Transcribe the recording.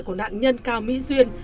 của nạn nhân cao mỹ duyên